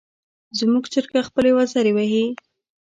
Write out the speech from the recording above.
زموږ چرګه خپلې وزرې وهي.